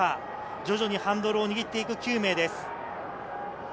徐々にハンドルを握っていく９名です。